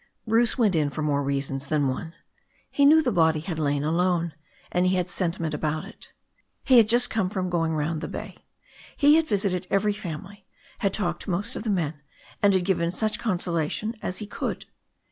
Bruce went in for more reasons than one. He knew the body had lain alone, and he had sentlmetvl ^VioviX. >^, ^^'t 407 408 THE STORY OF A NEW ZEALAND RIVER had just come from going round the bay. He had visited every family, had talked to most of the men, and had given such consolation as he could.